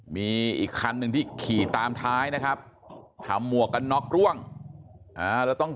มีอีกคันหนึ่งที่ขี่ตามท้ายนะครับทำหมวกกันน็อกร่วงแล้วต้อง